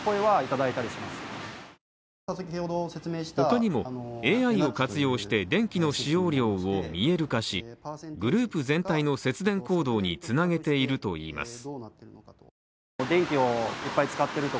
他にもＡＩを活用して、電気の使用量を見える化し、グループ全体の節電行動につなげているといいます。